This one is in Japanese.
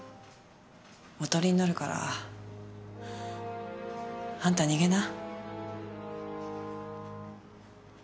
おとりになるからあんた逃げな。